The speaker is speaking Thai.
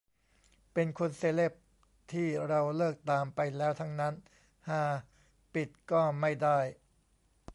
เป็นคน เซเลบ ที่เราเลิกตามไปแล้วทั้งนั้น ฮา ปิดก็ไม่ได้